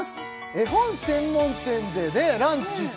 絵本専門店でランチって